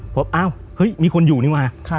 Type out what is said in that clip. ผมอ้าวเฮ้ยมีคนอยู่นี่ว่ะ